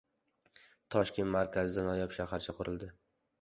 Toshkent markazida noyob shaharcha qurildi